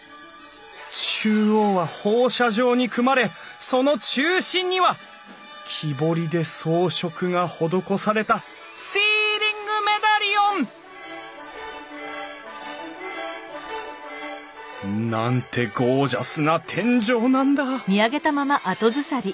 中央は放射状に組まれその中心には木彫りで装飾が施されたシーリングメダリオン！なんてゴージャスな天井なんだ！